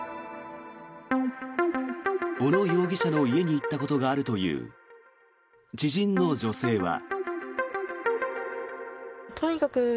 小野容疑者の家に行ったことがあるという知人の女性は。